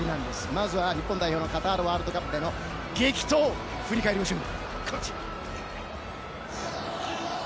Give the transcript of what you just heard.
まず、日本代表のカタールワールドカップでの激闘を振り返りましょう。